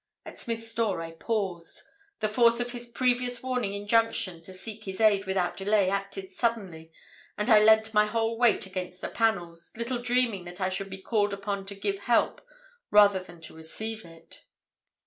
At Smith's door I paused. The force of his previous warning injunction to seek his aid without delay acted suddenly and I leant my whole weight against the panels, little dreaming that I should be called upon to give help rather than to receive it.